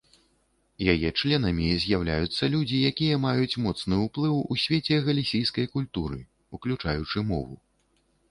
Яе членамі з'яўляюцца людзі, якія маюць моцны ўплыў у свеце галісійкай культуры, уключаючы мову.